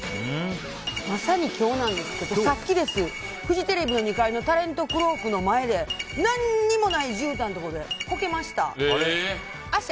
まさに今日なんですけどさっきです、フジテレビの２階のタレントクロークの前で何にもないじゅうたんのところでこけました。